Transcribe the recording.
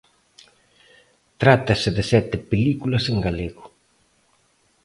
Trátase de sete películas en galego.